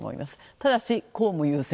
ただし、公務優先。